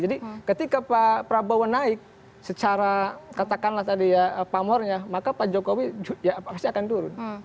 jadi ketika pak prabowo naik secara katakanlah tadi ya pamornya maka pak jokowi ya pasti akan turun